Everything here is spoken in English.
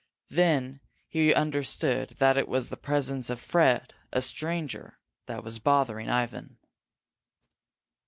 Then he understood that it was the presence of Fred, a stranger, that was bothering Ivan.